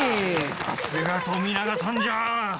さすが富永さんじゃ！